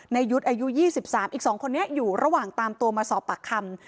ยุทธ์อายุ๒๓อีก๒คนนี้อยู่ระหว่างตามตัวมาสอบปากคำ